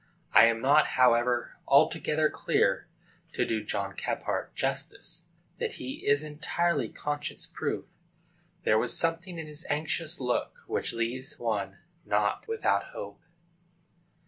I am not, however, altogether clear, to do John Caphart justice, that he is entirely conscience proof. There was something in his anxious look which leaves one not without hope.